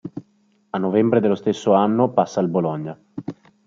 A novembre dello stesso anno, passa al Bologna.